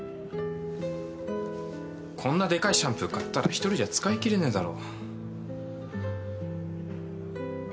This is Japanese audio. こんなでかいシャンプー買ったら１人じゃ使いきれねえだろ。